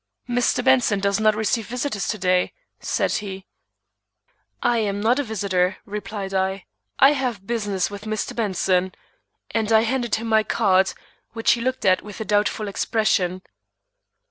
"Mr. Benson does not receive visitors to day," said he. "I am not a visitor," replied I; "I have business with Mr. Benson," and I handed him my card, which he looked at with a doubtful expression.